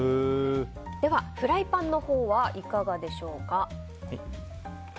では、フライパンのほうはいかがでしょうか？